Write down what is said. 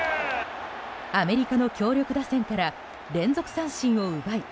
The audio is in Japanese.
アメリカの強力打線から連続三振を奪い